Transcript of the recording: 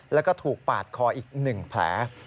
แล้วก็ถูกปาดคออีก๑แผล